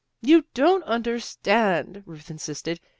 "You don't understand!" Ruth insisted.